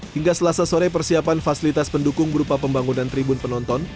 hingga selasa sore persiapan fasilitas pendukung berupa pembangunan tribun penonton